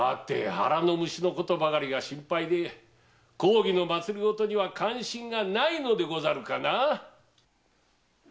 腹の虫のことばかりが心配で公儀の政には関心がないのでござるかな？